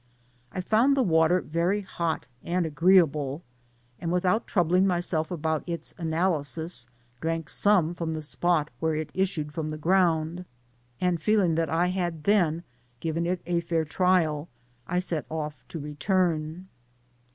I found the water very hot and agree* able ; and without troubling myself about its ana<* lyas, drank some fix>m the spot where it issued from the ground, and feeling that I had then given it a fair trial, I set off to return.